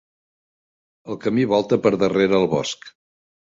El camí volta per darrere el bosc.